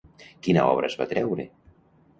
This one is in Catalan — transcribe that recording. Quina obra es va treure?